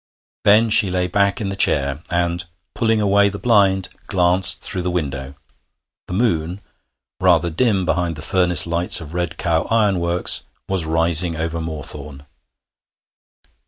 Then she lay back in the chair, and, pulling away the blind, glanced through the window; the moon, rather dim behind the furnace lights of Red Cow Ironworks, was rising over Moorthorne.